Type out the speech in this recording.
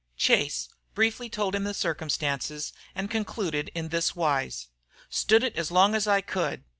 Chase briefly told him the circumstances, and concluded in this wise. "Stood it as long as I could.